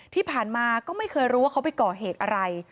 ที่ผ่านมาก็ไม่เคยรู้ว่าเขาไปก่อเหตุอะไร